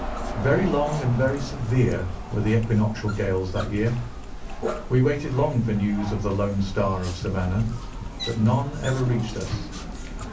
Very long and very severe were the equinoctial gales that year. We waited long for news of the Lone Star of Savannah, but none ever reached us.